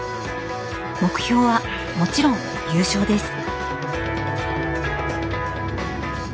目標はもちろん優勝です。